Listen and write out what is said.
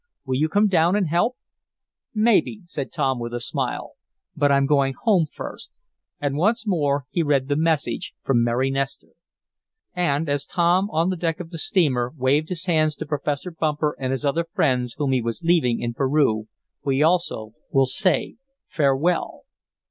Will you come down and help?" "Maybe," said Tom, with a smile. "But I'm going home first," and once more he read the message from Mary Nestor. And as Tom, on the deck of the steamer, waved his hands to Professor Bumper and his other friends whom he was leaving in Peru, we also, will say farewell.